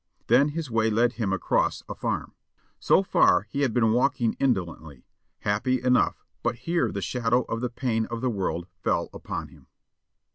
Then his way led him across a farm. So far he had been walking indolently, happy enough, but here the shadow of the pain of the world fell upon him.